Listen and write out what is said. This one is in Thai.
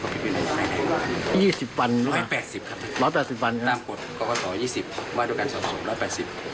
ตามกฎก็กระสอบ๒๐วันและการสอบสวน๑๘๐วัน